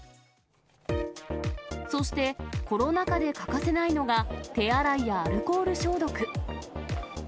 そしてコロナ禍で欠かせないのが、手洗いやアルコール消毒。